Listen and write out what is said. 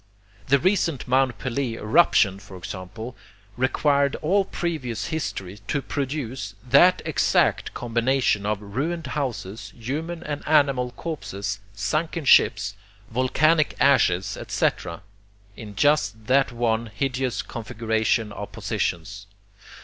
The recent Mont Pelee eruption, for example, required all previous history to produce that exact combination of ruined houses, human and animal corpses, sunken ships, volcanic ashes, etc., in just that one hideous configuration of positions.